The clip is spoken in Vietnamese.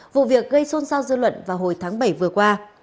vụ việc gây xôn xao dư luận vào hồi tháng bảy vừa qua